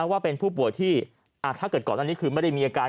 ว่าเป็นผู้ป่วยที่ถ้าเกิดก่อนอันนี้คือไม่ได้มีอาการ